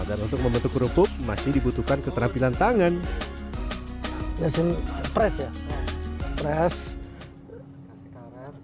dan untuk membentuk kerupuk masih dibutuhkan keterampilan tangan di desain pres pres mu